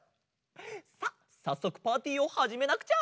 さあさっそくパーティーをはじめなくちゃ！